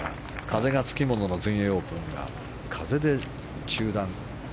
風がつきものの全英オープンが風で中断。